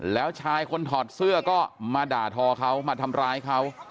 แล้วชายคนถอดเสื้อก็มาด่าทอเขามาทำร้ายเขา